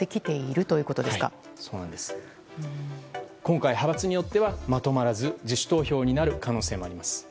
今回、派閥によってはまとまらず自主投票になる可能性もあります。